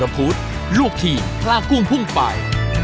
พุทธลูกทีมพลากุ้งพุ่งไป